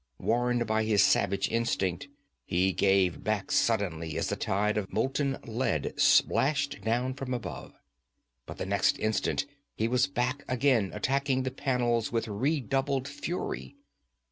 Warned by his savage instinct, he gave back suddenly as a tide of molten lead splashed down from above. But the next instant he was back again, attacking the panels with redoubled fury.